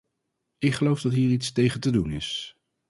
Ik geloof dat hier iets tegen te doen is.